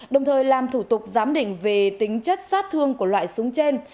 đồng thời làm thủ tục giám định về tính chất sát thương của loại súng trên